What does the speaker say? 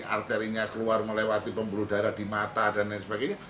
arterinya keluar melewati pembuluh darah di mata dan lain sebagainya